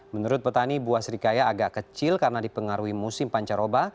menurut petani buah serikaya agak kecil karena dipengaruhi musim pancaroba